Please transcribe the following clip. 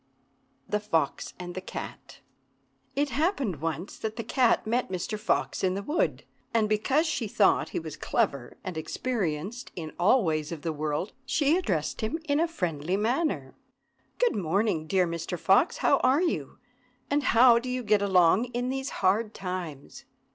The Fox and the Cat It happened once that the cat met Mr. Fox in the wood, and because she thought he was clever and experienced in all the ways of the world, she addressed him in a friendly manner. "Good morning, dear Mr. Fox! how are you, and how do you get along in these hard times?"